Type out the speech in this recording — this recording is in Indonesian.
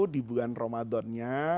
di bulan ramadan nya